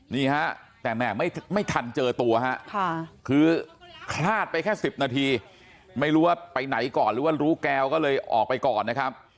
นี่ฮะแต่แม่ไม่ทันเจอตัวฮะคือคลาดไปแค่๑๐นาทีไม่รู้ว่าไปไหนก่อนหรือว่ารู้แก้วก็เลยออกไปก่อนนะครับ